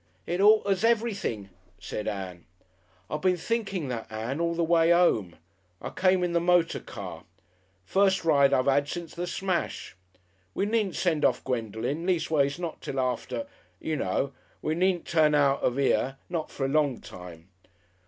"It alters everything," said Ann. "I been thinking that, Ann, all the way 'ome. I came in the motor car. First ride I've 'ad since the smash. We needn't send off Gwendolen, leastways not till after. You know. We needn't turn out of 'ere not for a long time.